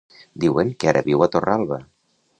Diuen que ara viu a Torralba.